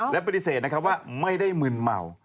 และปฏิเสธว่าไม่ได้มึนเมา